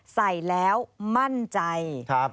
ใส่แล้วมั่นใจ